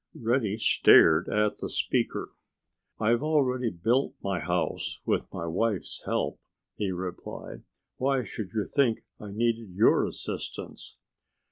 Reddy stared at the speaker. "I've already built my house—with my wife's help," he replied. "Why should you think I needed your assistance?"